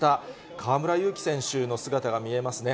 河村勇輝選手の姿が見えますね。